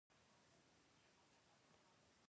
کلیوالو ملک صاحب ته وویل: ډېر ظلم مه کوه.